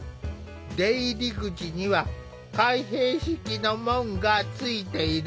出入り口には開閉式の門がついている。